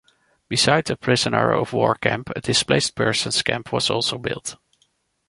Besides the prisoner of war camp, a Displaced persons camp was also built.